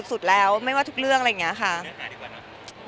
เนื้อหาดีกว่าน่ะเนื้อหาดีกว่าน่ะ